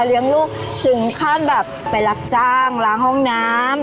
เลี้ยงลูกถึงขั้นแบบไปรับจ้างล้างห้องน้ำ